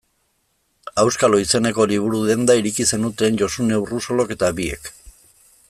Auskalo izeneko liburu-denda ireki zenuten Josune Urrosolok eta biek.